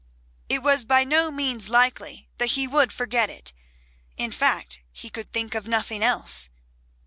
It was by no means likely that he would forget it, in fact he could think of nothing else.